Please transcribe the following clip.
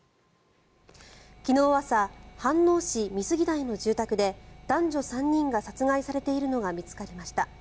昨日の朝飯能市美杉台の住宅で男女３人が殺害されているのが見つかりました。